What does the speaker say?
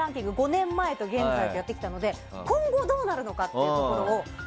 ５年前と現在でやってきたので今後どうなるのかというところを。